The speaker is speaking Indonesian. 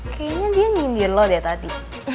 kayaknya dia nyindir lo deh tadi